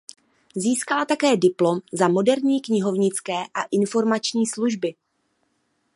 Získala také Diplom za moderní knihovnické a informační služby.